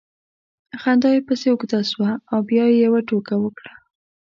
خندا یې پسې اوږده سوه او بیا یې یوه ټوکه وکړه